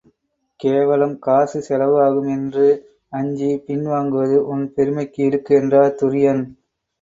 கேவலம் காசு செலவு ஆகும் எனறு அஞ்சிப் பின் வாங்குவது உன் பெருமைக்கு இழுக்கு எனறான் துரியன்.